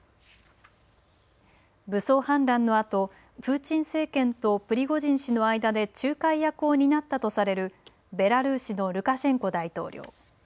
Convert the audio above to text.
武装反乱のあと、プーチン政権とプリゴジン氏の間で仲介役を担ったとされるベラルーシのルカシェンコ大統領。